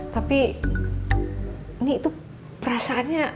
tapi nyi tuh perasaannya